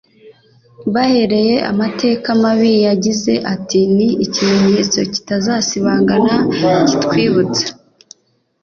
bahereye amateka mabi yagize ati ni ikimenyetso kitazasibangana kitwibutsa